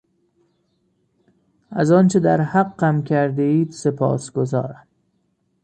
از آنچه در حقم کردهاید سپاسگزارم.